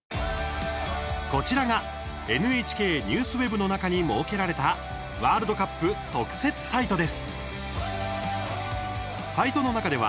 こちらが「ＮＨＫＮＥＷＳＷＥＢ」の中に設けられたワールドカップ特設サイトです。